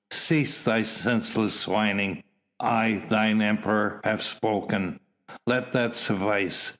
"Cease thy senseless whining.... I, thine Emperor, have spoken. Let that suffice.